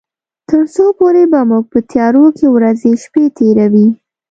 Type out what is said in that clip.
تر څو پورې به موږ په تيارو کې ورځې شپې تيروي.